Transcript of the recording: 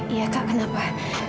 iya kak kenapa